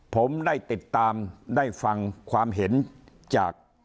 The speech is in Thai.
ผมได้ติดตามได้ฟังความเห็นจาก